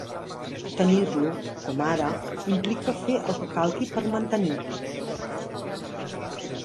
Tenir-lo, com ara, implica fer el que calgui per mantenir-lo.